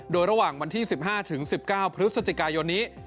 โดยระหว่างวันที่สิบห้าถึงสิบเก้าพฤศจิกายนี้